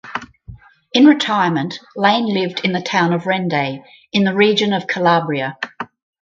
In retirement Lane lived in the town of Rende in the region of Calabria.